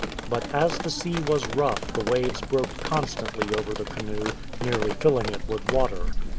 But as the sea was rough the waves broke constantly over the canoe, nearly filling it with water.